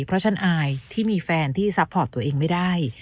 เพราะฉันอายที่มีแฟนที่ซัพพอร์ตตัวเองไม่ได้